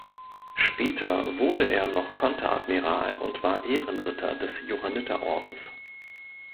Später wurde er noch Konteradmiral und war Ehrenritter des Johanniterordens.